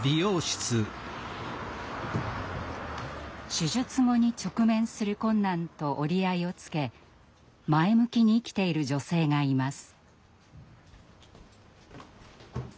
手術後に直面する困難と折り合いをつけ前向きに生きている女性がいます。